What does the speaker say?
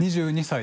２２歳。